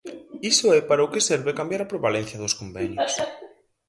Iso é para o que serve cambiar a prevalencia dos convenios.